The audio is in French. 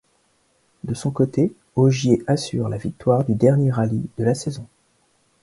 De son côté Ogier assure la victoire du dernier rallye de la saison.